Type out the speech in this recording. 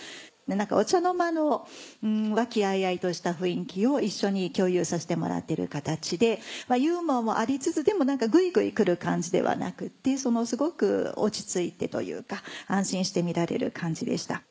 お茶の間の和気あいあいとした雰囲気を一緒に共有させてもらってる形でユーモアもありつつでも何かグイグイ来る感じではなくってすごく落ち着いてというか安心して見られる感じでした。